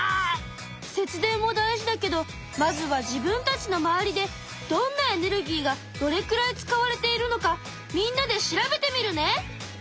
節電も大事だけどまずは自分たちのまわりでどんなエネルギーがどれくらい使われているのかみんなで調べてみるね！